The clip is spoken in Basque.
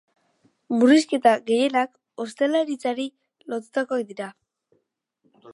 Murrizketa gehienak ostalaritzari loturikoak dira.